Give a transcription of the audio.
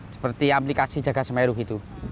seperti aplikasi jaga semeru gitu